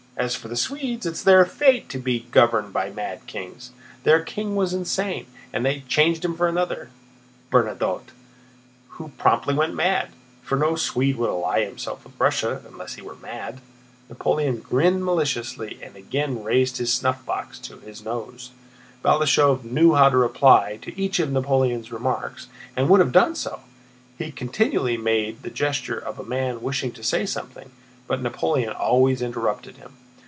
As for the Swedes—it is their fate to be governed by mad kings. Their king was insane and they changed him for another—Bernadotte, who promptly went mad—for no Swede would ally himself with Russia unless he were mad." Napoleon grinned maliciously and again raised his snuffbox to his nose. Balashëv knew how to reply to each of Napoleon's remarks, and would have done so; he continually made the gesture of a man wishing to say something, but Napoleon always interrupted him.